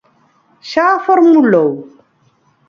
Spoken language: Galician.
¿Xa a formulou?